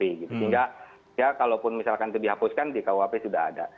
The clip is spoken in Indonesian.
sehingga ya kalaupun misalkan itu dihapuskan di kuhp sudah ada